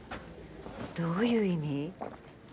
どういう意味？